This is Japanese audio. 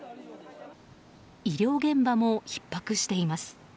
医療現場もひっ迫しています。